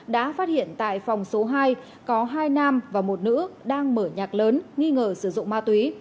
đã phát hiện tại phòng số hai có hai nam và một nữ đang mở nhạc lớn nghi ngờ sử dụng ma túy